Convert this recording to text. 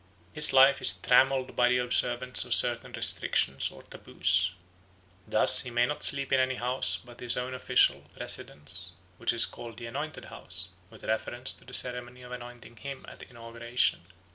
His life is trammelled by the observance of certain restrictions or taboos. Thus he may not sleep in any house but his own official residence, which is called the "anointed house" with reference to the ceremony of anointing him at inauguration.